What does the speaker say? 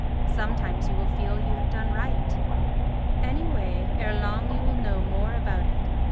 Sometimes you will feel you have done right. Any way ere long you will know more about it.